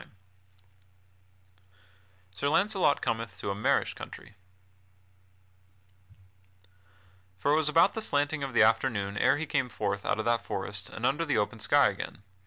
[Sidenote: Sir Launcelot cometh to a marish country] For it was about the slanting of the afternoon ere he came forth out of that forest and under the open sky again.